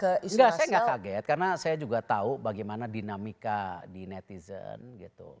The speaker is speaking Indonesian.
enggak saya nggak kaget karena saya juga tahu bagaimana dinamika di netizen gitu